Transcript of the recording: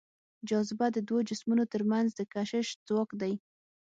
جاذبه د دوو جسمونو تر منځ د کشش ځواک دی.